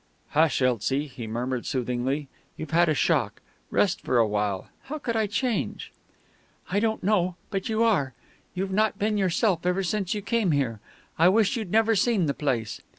"Hush, Elsie," he murmured soothingly; "you've had a shock; rest for a while. How could I change?" "I don't know, but you are. You've not been yourself ever since you came here. I wish you'd never seen the place.